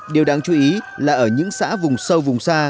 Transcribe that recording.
điều đáng chú ý là ở những xã vùng sâu vùng xa